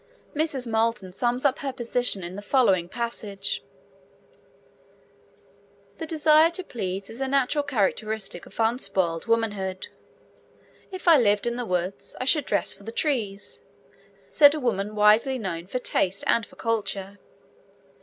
Mrs. Moulton sums up her position in the following passage: The desire to please is a natural characteristic of unspoiled womanhood. 'If I lived in the woods, I should dress for the trees,' said a woman widely known for taste and for culture.